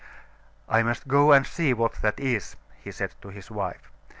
'I must go and see what that is,' he said to his wife.